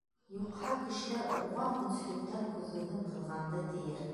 Юҡһа, кешеләр, Урбан көнсөллөктән көҙгөһөн ҡыҙғанды, тиер!